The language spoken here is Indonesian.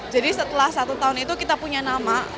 jadi setelah satu tahun itu kita punya nama